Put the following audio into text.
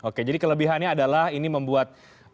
oke jadi kelebihannya adalah ini membuat